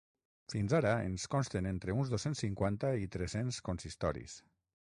Fins ara ens consten entre uns dos-cents cinquanta i tres-cents consistoris.